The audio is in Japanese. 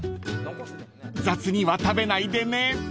［雑には食べないでね］